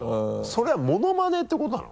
それはものまねってことなの？